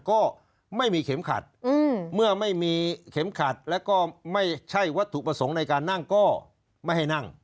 ก็ไม่สามารถมีเข็มขัดก็ไม่ให้นั่ง